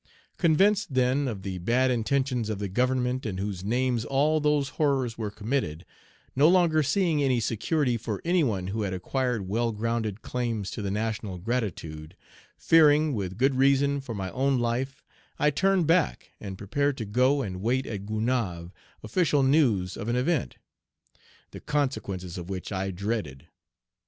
"Convinced, then, of the bad intentions of the Government in whose names all those horrors were committed; no longer seeing any security for any one who had acquired well grounded claims to the national gratitude; fearing, with good reason, for my own life, I turned back and prepared to go and wait at Gonaïves official news of an event, the consequences of which I dreaded.